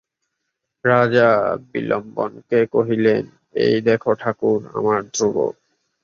রাজা বিল্বনকে কহিলেন, এই দেখো ঠাকুর, আমার ধ্রুব।